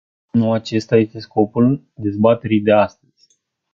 Nu acesta este scopul dezbaterii de astăzi.